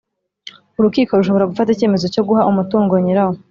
Urukiko rushobora gufata icyemezo cyo guha umutungo nyirawo